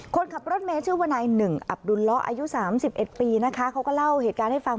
คนขับรถเมย์ชื่อวนายหนึ่งอับดุลล้ออายุ๓๑ปีนะคะเขาก็เล่าเหตุการณ์ให้ฟัง